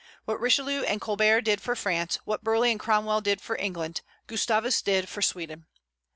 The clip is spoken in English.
What Richelieu and Colbert did for France, what Burleigh and Cromwell did for England, Gustavus did for Sweden.